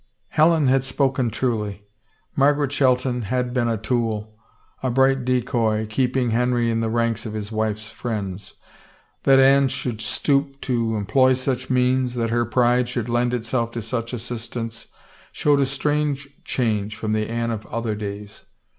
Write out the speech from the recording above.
Helen had spoken truly. Margaret Shelton had been a tool, a bright decoy, keeping Henry in the ranks of his wife's friends. That Anne should stoop to employ such means, that her pride should lend itself to such as sistance, showed a strange change from the Anne of other days.